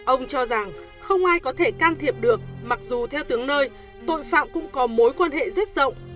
ông cho rằng không ai có thể can thiệp được mặc dù theo tiếng nơi tội phạm cũng có mối quan hệ rất rộng